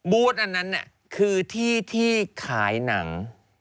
อันนั้นคือที่ที่ขายหนัง